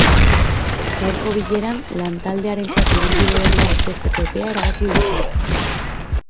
Gaurko bileran lantaldearentzat ibilbide orria aurkezteko epea erabaki dute.